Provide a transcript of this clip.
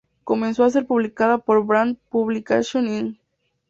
Comenzó a ser publicada por Brant Publications Inc.